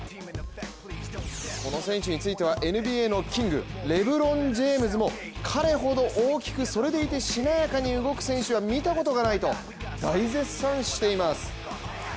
この選手についてはＮＢＡのキングレブロン・ジェームズも彼ほど大きくそれでいてしなやかに動く選手は見たことがないと大絶賛しています。